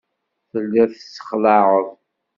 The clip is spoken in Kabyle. Telliḍ tessexlaɛeḍ.